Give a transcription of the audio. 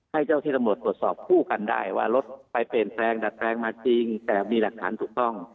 ให้เจ้าที่ตำรวจตรวจสอบคู่กันได้ว่ารถไปเปลี่ยนแปลงดัดแปลงมาจริงแต่มีหลักฐานถูกต้อง